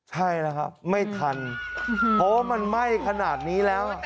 ใช่แล้วครับไม่ทันเพราะว่ามันไหม้ขนาดนี้แล้ว